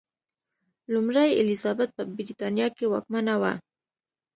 لومړۍ الیزابت په برېټانیا کې واکمنه وه.